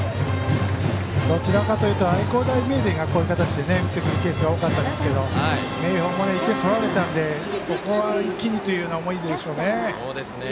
どちらかというと愛工大名電がこういう形で打ってくるケースが多かったですけど明豊も１点取られたのでここは一気にという思いでしょうね。